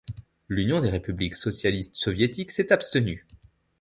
L'Union des républiques socialistes soviétiques s'est abstenue.